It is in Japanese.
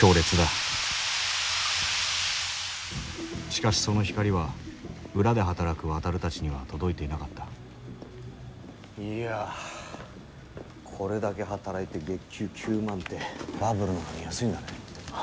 しかしその光は裏で働くワタルたちには届いていなかったいやこれだけ働いて月給９万ってバブルなのに安いんだね。